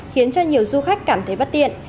khiến cho nhiều du khách cảm thấy bất tiện